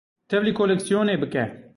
Tevlî koleksiyonê bike.